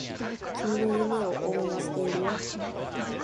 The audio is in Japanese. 君の夢を応援しているよ